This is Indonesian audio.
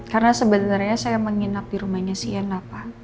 karena sebenarnya saya menginap di rumahnya siana